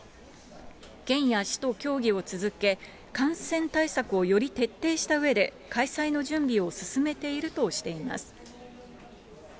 県や市と協議を続け、感染対策をより徹底したうえで、開催の準備を進めているとしています。